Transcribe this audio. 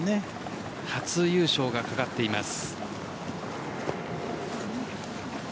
初優勝がかかっています。